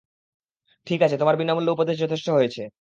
ঠিক আছে, তোমার বিনামূল্যে উপদেশ যথেষ্ট হয়েছে।